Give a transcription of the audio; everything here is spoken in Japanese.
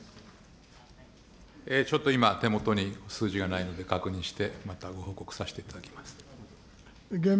ちょっと今、手元に数字がないので、確認して、またご報告させていただきます。